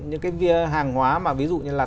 những hàng hóa mà ví dụ như là